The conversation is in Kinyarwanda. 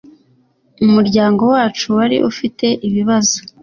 umuryango wacu wari ufite ibibazo.